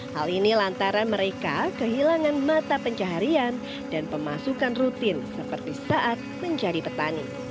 hal ini lantaran mereka kehilangan mata pencaharian dan pemasukan rutin seperti saat menjadi petani